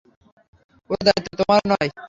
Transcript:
ওর দায়িত্ব তোমার নয়।